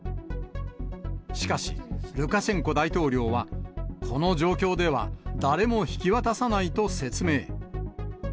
しかし、ルカシェンコ大統領は、この状況では誰も引き渡さないと説明。